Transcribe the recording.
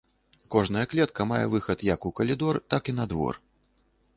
Кожная клетка мае выхад як у калідор, так і на двор.